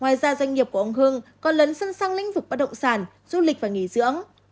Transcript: ngoài ra doanh nghiệp của ông hưng còn lấn sân sang lĩnh vực bất động sản du lịch và nghỉ dưỡng